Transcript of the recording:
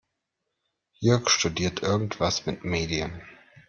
Jörg studiert irgendwas mit Medien.